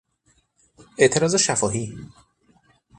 اعتراض شفاهی